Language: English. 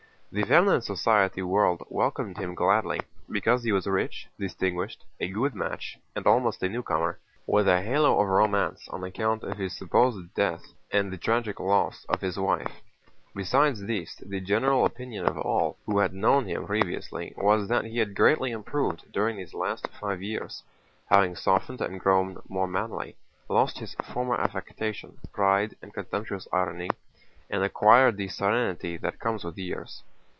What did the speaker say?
The feminine society world welcomed him gladly, because he was rich, distinguished, a good match, and almost a newcomer, with a halo of romance on account of his supposed death and the tragic loss of his wife. Besides this the general opinion of all who had known him previously was that he had greatly improved during these last five years, having softened and grown more manly, lost his former affectation, pride, and contemptuous irony, and acquired the serenity that comes with years.